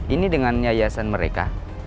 ini dengan yayasan mereka